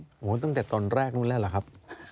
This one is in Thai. โอ้โหตั้งแต่ตอนแรกนู้นแล้วเหรอครับ